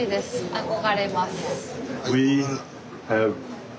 憧れます。